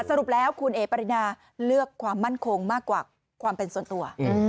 สรุปแล้วคุณเอ๋ปรินาเลือกความมั่นคงมากกว่าความเป็นส่วนตัว